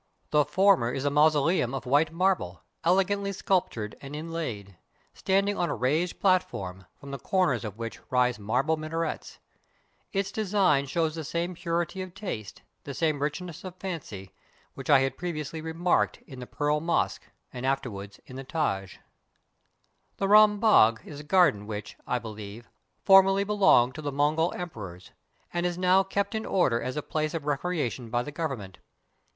The former is a mausoleum of white marble, elegantly sculptured and inlaid, standing on a raised platform, from the corners of which rise marble minarets. Its design shows the same purity of taste, the same rich ness of fancy, which I had pre\ iously remarked in the Pearl Mosque, and afterward in the Taj. The Ram Bagh is a garden which, I believe, formerly ii8 THE TAJ MAHAL belonged to the Mogul emperors, and is now kept in order as a place of recreation, by the Government.